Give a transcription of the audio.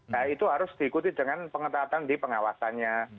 nah itu harus diikuti dengan pengetatan di pengawasannya